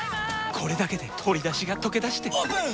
これだけで鶏だしがとけだしてオープン！